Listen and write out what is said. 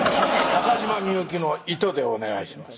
中島みゆきの糸でお願いします